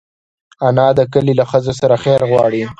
انا د کلي له ښځو سره خیر غواړي